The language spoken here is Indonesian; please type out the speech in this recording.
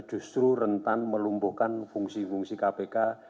justru rentan melumpuhkan fungsi fungsi kpk